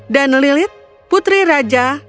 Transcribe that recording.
dan lilith putri raja